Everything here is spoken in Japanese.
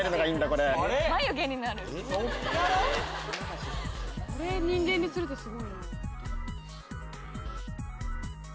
これ人間にするってすごいな。